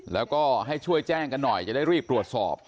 แล้วก็ให้ช่วยแจ้งกันหน่อยจะได้รีบตรวจสอบ